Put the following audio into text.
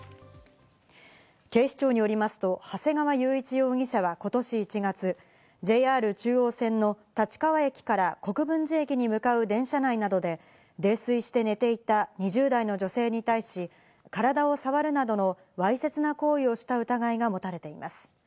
警視庁によりますと、長谷川裕一容疑者はことし１月、ＪＲ中央線の立川駅から国分寺駅に向かう電車内などで、泥酔して寝ていた２０代の女性に対し、体をさわるなどのわいせつな行為をした疑いが持たれています。